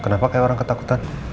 kenapa kayak orang ketakutan